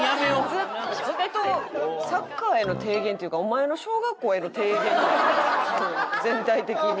ずっとサッカーへの提言っていうかお前の小学校への提言全体的に。